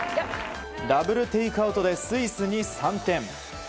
ダブルテイクアウトでスイスに３点。